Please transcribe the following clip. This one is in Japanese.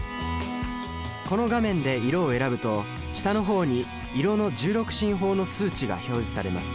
この画面で色を選ぶと下の方に色の１６進法の数値が表示されます。